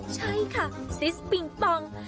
ใช่ค่ะซิสปิงปอง